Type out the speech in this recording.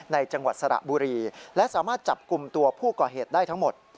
จังหวัดสระบุรีและสามารถจับกลุ่มตัวผู้ก่อเหตุได้ทั้งหมด